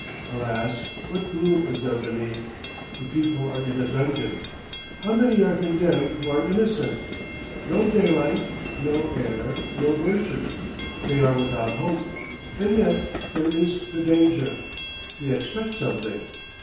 Alas, what gloom is there beneath! The people are in a dungeon. How many are condemned who are innocent! No daylight, no air, no virtue! They are without hope, and yet there is the danger they expect something.